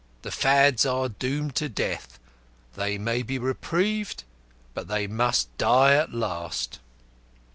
The Fads are doomed to death, they may be reprieved, but they must die at last."